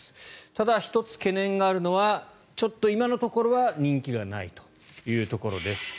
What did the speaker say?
ただ、１つ懸念があるのはちょっと今のところは人気がないというところです。